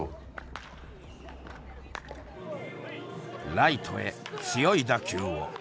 「ライトへ強い打球を」。